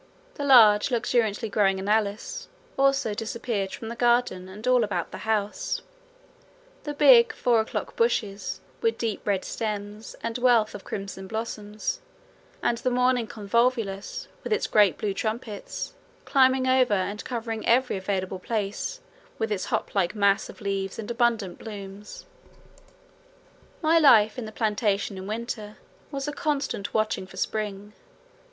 The large luxuriantly growing annuals also disappeared from the garden and all about the house, the big four o'clock bushes with deep red stems and wealth of crimson blossoms, and the morning glory convolvulus with its great blue trumpets, climbing over and covering every available place with its hop like mass of leaves and abundant blooms. My life in the plantation in winter was a constant watching for spring.